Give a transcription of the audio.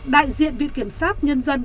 đại diện viện kiểm soát nhân dân